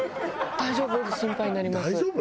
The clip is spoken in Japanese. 「大丈夫？」って心配になります。